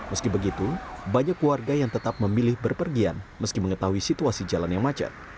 meski begitu banyak warga yang tetap memilih berpergian meski mengetahui situasi jalan yang macet